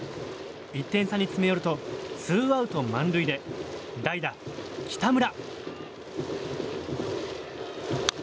１点差に詰め寄るとツーアウト満塁で代打、北村。